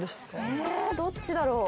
えどっちだろう。